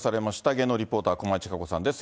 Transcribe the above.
芸能リポーター、駒井千佳子さんです。